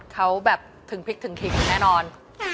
เขาแบบถึงพริกถึงขิงแน่นอน